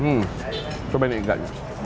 hmm coba ini enggak